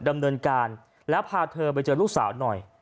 ดำเนินการแล้วพาเธอไปเจอลูกสาวหน่อย